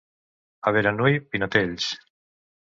A Beranui, pinetells.